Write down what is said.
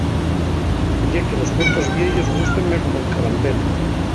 Ye que los cuentos vieyos gústenme como'l carambelu.